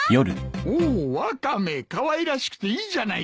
おワカメかわいらしくていいじゃないか。